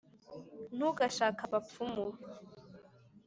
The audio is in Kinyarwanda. ntugashake abapfumu